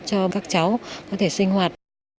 cho các cháu có thể sinh hoạt